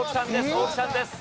大木さんです。